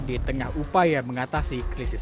di tengah upaya mengatasi krisis